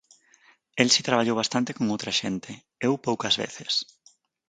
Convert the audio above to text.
El si traballou bastante con outra xente, eu poucas veces.